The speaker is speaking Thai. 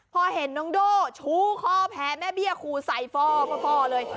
พอเห็นน้องโด่ชู้ข้อแพ้แม่เบี้ยคูใส่ฟ่อเลย